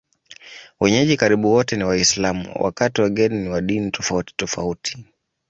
Wenyeji karibu wote ni Waislamu, wakati wageni ni wa dini tofautitofauti.